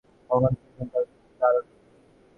কখন ফিরবেন তারও ঠিক নেই।